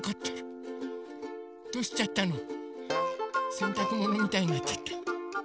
せんたくものみたいになっちゃった。